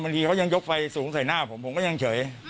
ดีเขายังยกไฟสูงใส่หน้าผมผมก็ยังเฉย